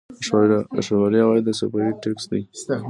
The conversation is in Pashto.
د ښاروالۍ عواید له صفايي ټکس دي